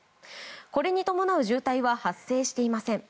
これに伴う渋滞は発生していません。